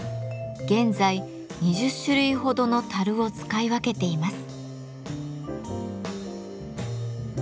現在２０種類ほどの樽を使い分けています。